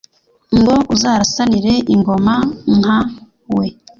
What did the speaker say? Ngo uzarasanire ingoma nka we,